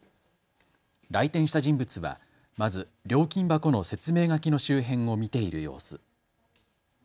来店した人物はまず料金箱の説明書きの周辺を見ている様子。